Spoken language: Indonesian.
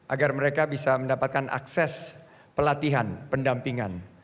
agar mereka bisa mendapatkan akses pelatihan pendampingan